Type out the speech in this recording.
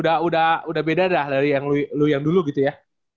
udah beda dah dari yang lu yang dulu gitu ya